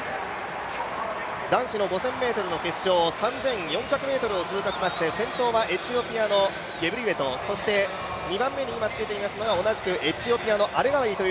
男子の５０００ｍの決勝、３４００ｍを通過しまして先頭はエチオピアのゲブリウェト、２番目に今つけていますのが、同じくエチオピアのアレガウィ。